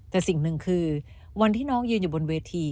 แต่สิ่งหนึ่งคือวันที่น้องยืนอยู่บนเวที